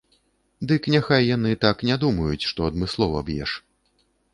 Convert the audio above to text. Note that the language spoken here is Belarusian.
Дык няхай яны так не думаюць, што адмыслова б'еш.